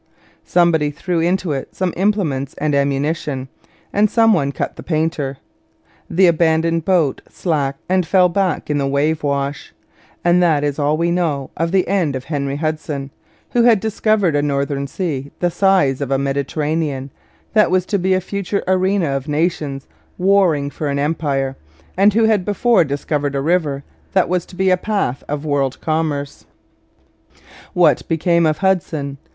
Somebody threw into it some implements and ammunition, and some one cut the painter. The abandoned boat slacked and fell back in the wave wash; and that is all we know of the end of Henry Hudson, who had discovered a northern sea, the size of a Mediterranean, that was to be a future arena of nations warring for an empire, and who had before discovered a river that was to be a path of world commerce. [Illustration: THE LAST HOURS OF HUDSON From the painting by Collier] What became of Hudson?